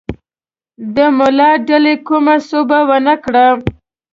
د ملا ډلې کومه سوبه ونه کړه.